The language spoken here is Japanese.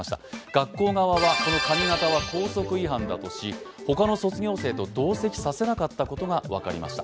学校側はこの髪形は校則違反だとし、他の卒業生と同席させなかったことが分かりました。